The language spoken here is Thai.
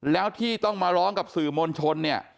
แล้วที่ต้องมาร้องกับสื่อมวลชนเนี่ย